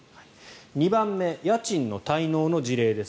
２番目、家賃滞納の事例です。